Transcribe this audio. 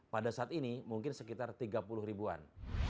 pada saat ini mungkin sekitar tiga puluh ribuan